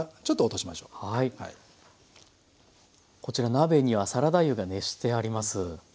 こちら鍋にはサラダ油が熱してあります。